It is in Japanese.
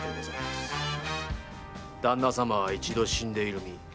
旦那様は一度死んでいる身。